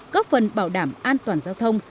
góp phần bảo đảm an toàn giao thông